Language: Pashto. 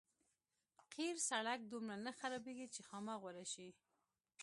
قیر سړک دومره نه خرابېږي چې خامه غوره شي.